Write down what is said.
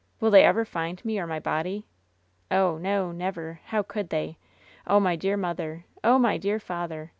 Will they ever find me or my body ? Oh, no — ^never. How could they ? Oh, my dear mother! Oh, my dear father!